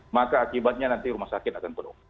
maka akibatnya nanti rumah sakit akan penuh